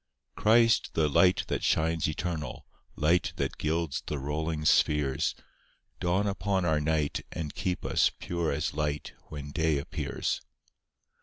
I Christ, the light that shines eternal,— Light that gilds the rolling spheres, Dawn upon our night, and keep us Pure as light when day appears.